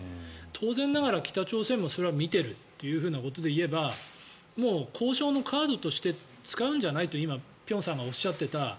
当然ながら北朝鮮もそれは見ているということでいえば交渉のカードとして使うんじゃないと今、辺さんがおっしゃっていた。